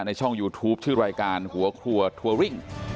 ช่องยูทูปชื่อรายการหัวครัวทัวริ่ง